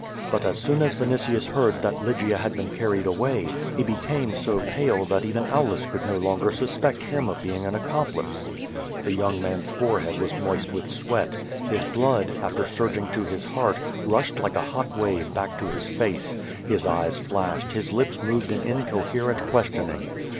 But as soon as A^initius heard that Lygia had been carried away, he became so pale that even Aulus could no longer suspect him of being an accom plice. The young man^s forehead was moist with sweat. His blood, after surging to his heart, rushed like a hot w^ave back to his face; his eyes flashed; his lips moved in incoherent questioning.